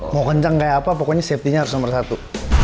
mau kencang kayak apa pokoknya safety nya harus nomor satu